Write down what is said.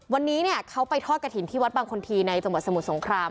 วันนี้เขาไปทอดกระถิ่นที่วัดบางคนทีในจังหวัดสมุทรสงคราม